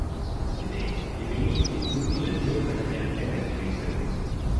To date, he remains the only Latino manager ever to do so.